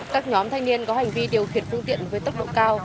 các nhóm thanh niên có hành vi điều khiển phương tiện với tốc độ cao